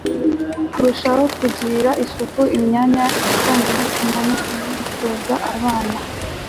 kurushaho kugirira isuku imyanya ndangagitsina no kubitoza abana